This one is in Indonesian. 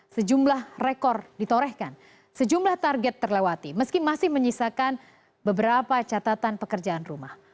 sejumlah rekor ditorehkan sejumlah target terlewati meski masih menyisakan beberapa catatan pekerjaan rumah